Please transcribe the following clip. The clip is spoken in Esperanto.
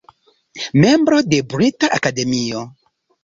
Membro de Brita Akademio.